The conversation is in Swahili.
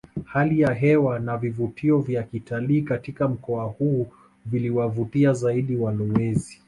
Hali ya hewa na vivutio vya kitalii katika mkoa huu viliwavutia zaidi walowezi